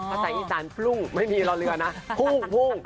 อาจารย์อีสานพรุ่งไม่มีรอเรือนะพรุ่งพรุ่ง